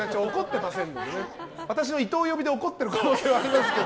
私の伊藤呼びで怒ってる可能性はありますけど。